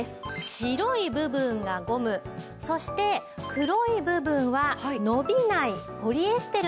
白い部分がゴムそして黒い部分は伸びないポリエステルのテープなんです。